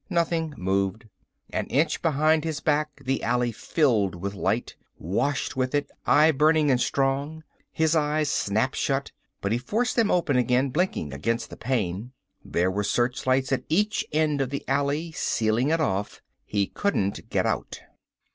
Nothing moved. An inch behind his back the alley filled with light, washed with it, eye burning and strong. His eyes snapped shut, but he forced them open again, blinking against the pain. There were searchlights at each end of the alley, sealing it off. He couldn't get out.